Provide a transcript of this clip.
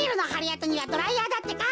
あとにはドライヤーだってか。